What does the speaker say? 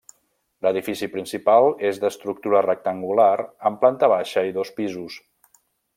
L'edifici principal és d'estructura rectangular amb planta baixa i dos pisos.